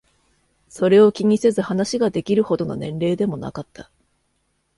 それを気にせず話ができるほどの年齢でもなかった。